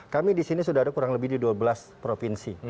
kami di sini sudah ada kurang lebih di dua belas provinsi